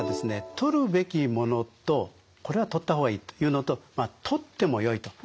「とるべきもの」と「これはとった方がいい」というのと「とってもよい」と。